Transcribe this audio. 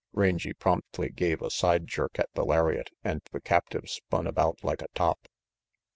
Rangy promptly gave a side jerk at the lariat and the captive spun about like a top.